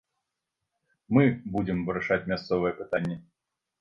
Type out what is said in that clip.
Мы будзем вырашаць мясцовыя пытанні.